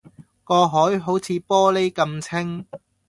個海好似玻璃噉清